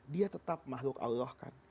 dia tetap makhluk allah kan